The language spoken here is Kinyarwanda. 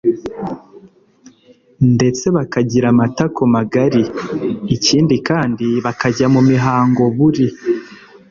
ndetse bakagira amatako magari. ikindi kandi bakajya mu mihango buri